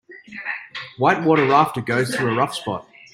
White water rafter goes through a rough spot.